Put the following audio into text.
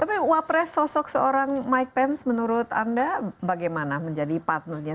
tapi wapres sosok seorang mike pence menurut anda bagaimana menjadi partnernya